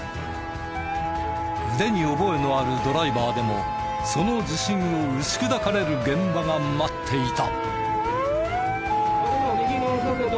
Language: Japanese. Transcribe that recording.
腕に覚えのあるドライバーでもその自信を打ち砕かれる現場が待っていた。